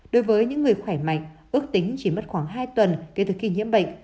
đối với những người khỏe mạnh ước tính chỉ mất khoảng hai tuần kể từ khi nhiễm bệnh